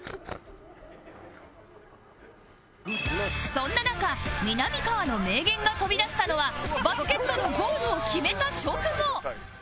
そんな中みなみかわの名言が飛び出したのはバスケットのゴールを決めた直後